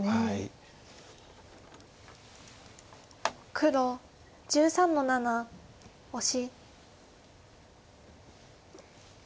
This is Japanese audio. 黒１３の七オシ。